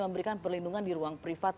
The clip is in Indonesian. memberikan perlindungan di ruang privat